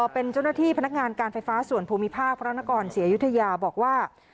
เป็นเจ้าหน้าที่พนักงานการไฟฟ้าส่วนภูมิภาคพระนครศรีอยุธยาบอกว่า